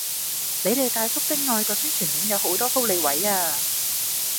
你哋大叔的愛個宣傳片有好多福利位啊